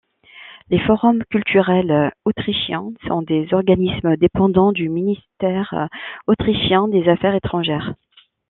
Les Forums culturels autrichiens sont des organismes dépendant du ministère autrichien des Affaires étrangères.